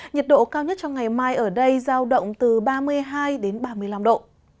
nhiệt độ cao nhất trong ngày mai ở đây giao động từ ba mươi hai ba mươi năm độ